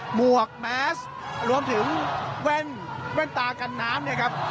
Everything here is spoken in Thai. หวกแมสรวมถึงแว่นตากันน้ำเนี่ยครับ